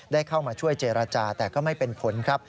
ได้เข้ามาช่วยเจรจาแต่ก็ไม่เป็นผลครับ